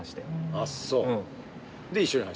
あっそう。